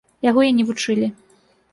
Яго і не вучылі.